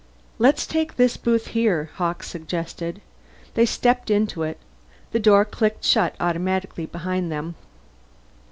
"Let's take this booth here," Hawkes suggested. They stepped into it; the door clicked shut automatically behind them.